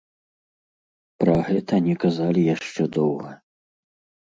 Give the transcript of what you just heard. Пра гэта не казалі яшчэ доўга.